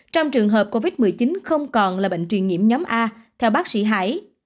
trong trường hợp covid một mươi chín không còn là bệnh truyền nhiễm nhóm a theo bác sĩ hải